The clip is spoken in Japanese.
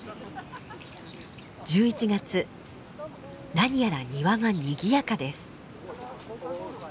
何やら庭がにぎやかです。